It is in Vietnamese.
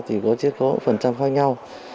thì có chiếc khấu phần trăm khác nhau